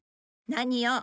何よ。